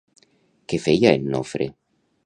Què feia en Nofre?